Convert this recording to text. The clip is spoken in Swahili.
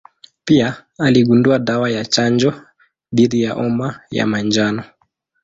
Pia aligundua dawa ya chanjo dhidi ya homa ya manjano.